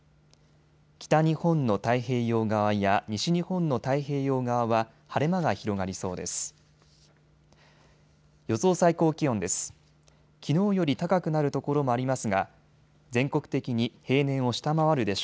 北日本の太平洋側や西日本の太平洋側は晴れ間が広がりそうです。